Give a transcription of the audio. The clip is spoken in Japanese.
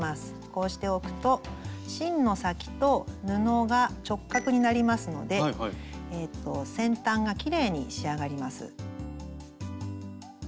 こうしておくと芯の先と布が直角になりますので先端がきれいに仕上がります。